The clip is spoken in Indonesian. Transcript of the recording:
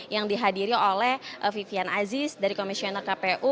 yang dihadiri oleh vivian aziz dari komisioner kpu